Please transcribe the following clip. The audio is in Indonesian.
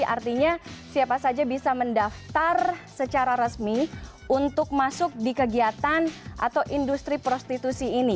ada perlindungan tenaga resmi untuk masuk di kegiatan atau industri prostitusi ini